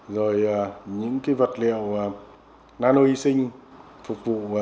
rồi những cái vật liệu nano y sinh phục vụ